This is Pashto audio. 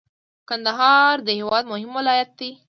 کندهار د هیواد مهم ولایت دی.